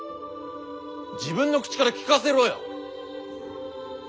自分の口から聞かせろよ！